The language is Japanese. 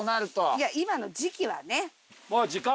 いや今の時期はね。